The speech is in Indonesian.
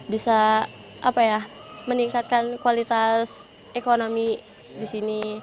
bisa apa ya meningkatkan kualitas ekonomi di sini